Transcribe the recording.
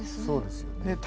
そうですよね。